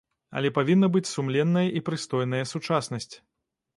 Але павінна быць сумленная і прыстойная сучаснасць.